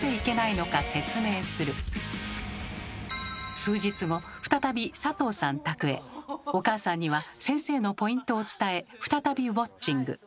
数日後お母さんには先生のポイントを伝え再びウォッチング。